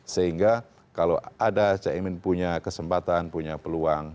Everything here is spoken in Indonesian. sehingga kalau ada caimin punya kesempatan punya peluang